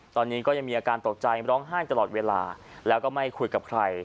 ตอนนี้ก็ยังมีอาการตกใจร้องไห้ตลอดเวลาแล้วก็ไม่คุยกับใคร